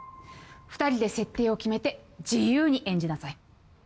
２人で設定を決めて自由に演じなさい。